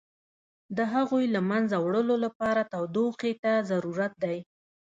د هغوی له منځه وړلو لپاره تودوخې ته ضرورت دی.